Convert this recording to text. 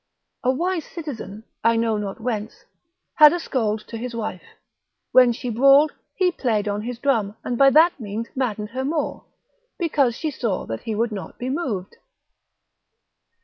A wise citizen, I know not whence, had a scold to his wife: when she brawled, he played on his drum, and by that means madded her more, because she saw that he would not be moved.